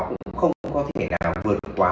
cũng không có thể nào vượt quá